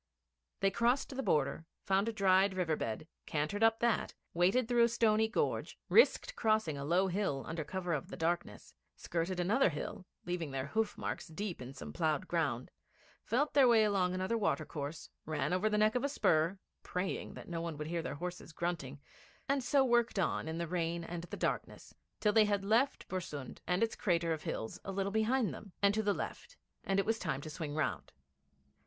They crossed the border, found a dried river bed, cantered up that, waited through a stony gorge, risked crossing a low hill under cover of the darkness, skirted another hill, leaving their hoof marks deep in some ploughed ground, felt their way along another watercourse, ran over the neck of a spur, praying that no one would hear their horses grunting, and so worked on in the rain and the darkness, till they had left Bersund and its crater of hills a little behind them, and to the left, and it was time to swing round.